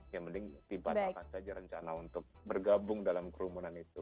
ya mending tiba tiba saja rencana untuk bergabung dalam kerumunan itu